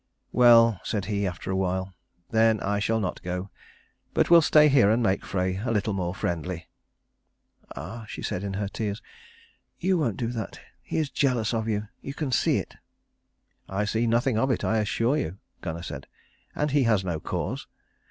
"Well," said he after a while, "then I shall not go, but will stay here and make Frey a little more friendly." "Ah," she said in her tears, "you won't do that. He is jealous of you. You can see it." "I see nothing of it, I assure you," Gunnar said, "and he has no cause.